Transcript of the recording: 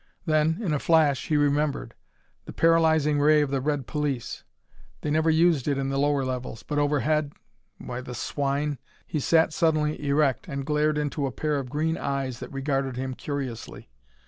Then, in a flash, he remembered. The paralyzing ray of the red police! They never used it in the lower levels; but overhead why, the swine! He sat suddenly erect and glared into a pair of green eyes that regarded him curiously.